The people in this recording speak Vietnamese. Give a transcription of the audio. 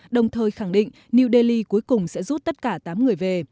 đồng thời khẳng định new delhi cuối cùng sẽ rút tất cả tám người về